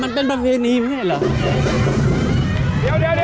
มันเป็นบรรเวณีไหมเนี่ยเหรอ